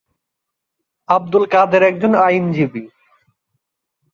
আব্দুল কাদের একজন আইনজীবী।